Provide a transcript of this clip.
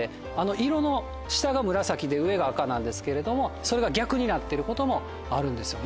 色の下が紫で上が赤なんですけれどもそれが逆になってることもあるんですよね。